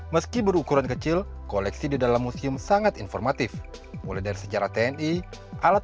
meski berukuran kecil koleksi di dalam museum sangat informatif mulai dari sejarah tni alat